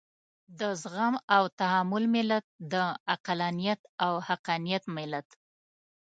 د زغم او تحمل ملت، د عقلانيت او حقانيت ملت.